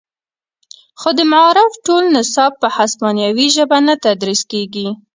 خو د معارف ټول نصاب په هسپانوي ژبه نه تدریس کیږي